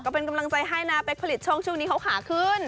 เป็นกำลังใจให้นะเป๊กผลิตช่องช่วงนี้เขาขาขึ้น